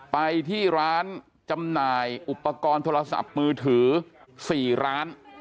ไปที่ร้านจำหน่ายอุปกรณ์โทรศัพท์มือถือ๔ร้าน